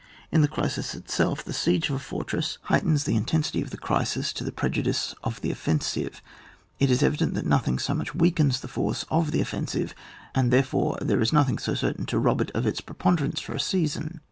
In the crisis itself the siege of a fortress heightens 24 ON WAR. [book th. the intensity of the crisie to the prejudice of the offensive; it is evident that nothing 80 much weakens the force of the offensive, and therefore there is nothing so certain to roh it of its preponderance for a season.